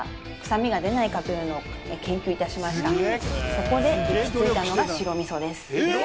そこで行き着いたのが白味噌です